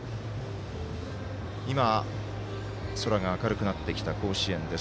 今、空が明るくなってきた甲子園です。